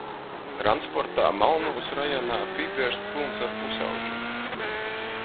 Transportā malnūs rajonā pībierst pylns ar pusaudžim.